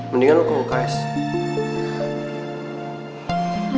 mendingan lo kok ke sw ya